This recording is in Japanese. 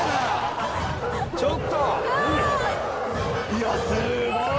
いやすごい！